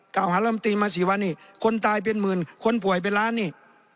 เก่าหารำตีมาสี่วันนี้คนตายเป็นหมื่นคนป่วยเป็นล้านนี่